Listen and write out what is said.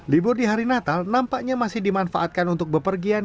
libur di hari natal nampaknya masih dimanfaatkan untuk bepergian